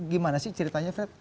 gimana sih ceritanya fred